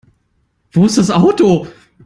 Wo ist das Auto?